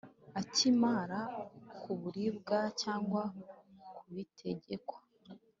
Akimara kuburirwa cyangwa kubitegekwa